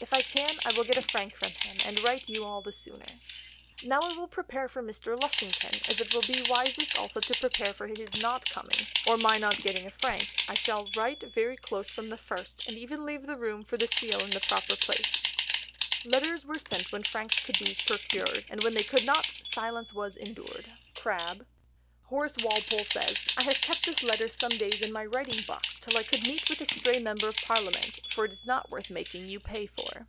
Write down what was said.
If I can, I will get a frank from him, and write to you all the sooner." "Now, I will prepare for Mr. Lushington, and as it will be wisest also to prepare for his not coming, or my not getting a frank, I shall write very close from the first, and even leave room for the seal in the proper place." "Letters were sent when franks could be procured, And when they could not, silence was endured." (CRABBE.) Horace Walpole says, "I have kept this letter some days in my writing box till I could meet with a stray member of parliament, for it is not worth making you pay for."